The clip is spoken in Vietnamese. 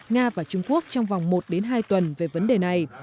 nga và trung quốc trong vòng một đến hai tuần về vấn đề này